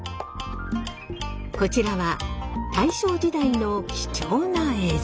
こちらは大正時代の貴重な映像。